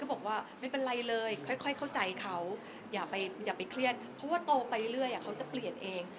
บอกว่าไม่เป็นไรเลยค่อยเข้าใจเขาอย่าไปเครียดเพราะว่าโตไปเรื่อยเขาจะเปลี่ยนเอง